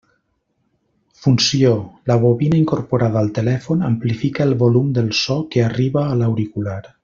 Funció: la bobina incorporada al telèfon amplifica el volum del so que arriba a l'auricular.